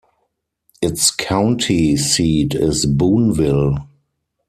Its county seat is Booneville.